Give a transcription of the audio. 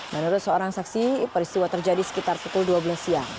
menurut seorang saksi peristiwa terjadi sekitar pukul dua belas siang